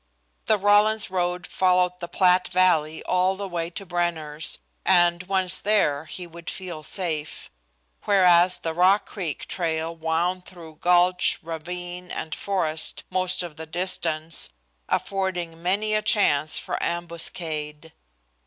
The Rawlins road followed the Platte Valley all the way to Brenner's, and, once there, he would feel safe, whereas the Rock Creek trail wound through gulch, ravine and forest most of the distance, affording many a chance for ambuscade.